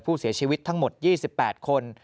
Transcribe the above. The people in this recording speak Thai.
ผู้เสียชีวิตทั้งหมด๒๘คน